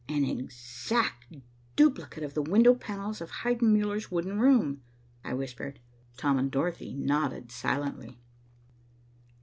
"An exact duplicate of the window panels of Heidenmuller's wooden room," I whispered. Tom and Dorothy nodded silently.